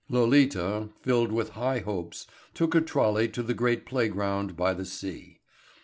'" Lolita, filled with high hopes, took a trolley to the great playground by the sea.